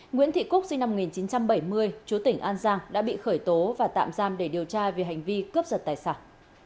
nguyễn thị cúc sinh năm một nghìn chín trăm bảy mươi chú tỉnh an giang đã bị khởi tố và tạm giam để điều tra về hành vi cướp giật tài sản